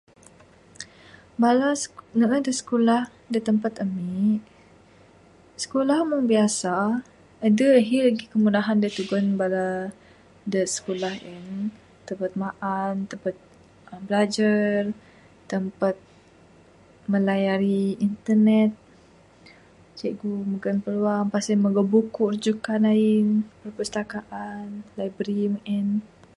Bala...bala da sikulah da tempat ami...sikulah meng biasa...adeh ahi lagi kemudahan da jugon bala da sikulah en...tempat maan tempat bilajar tempat melayari internet cikgu nyugon piluang pas en magau buku rujukan ain perpustakaan library meng en.